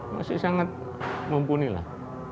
masih sangat mumpuni lah